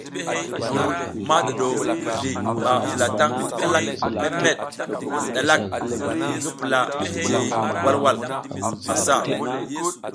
Mbur ma ɗuɗo mizli ɓa vulataŋ slalak meɗmeɗ mi ɗalak ngi pula jijihey walwal asa.